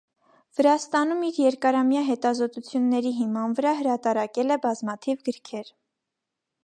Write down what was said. Վրաստանում իր երկարամյա հետազոտությունների հիման վրա հրատարակել է բազմաթիվ գրքեր։